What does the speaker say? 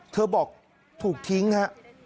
เธอบอกถูกทิ้งฮะ